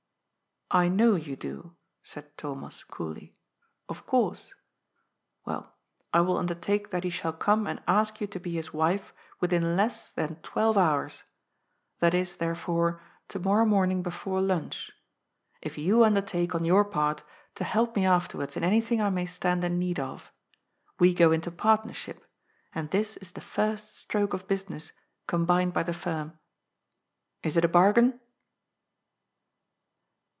"I know you do," said Thomas coolly. "Of course. Well, I will undertake that he shall come and ask you to be his wife within less than twelve hours — that is, therefore, to morrow morning before lunch — if you undertake, on your part, to help me afterwards in anything I may stand in need of. We go into partnership, and this is the first stroke of business combined by the firm. Is it a bargain